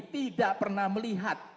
tidak pernah melihat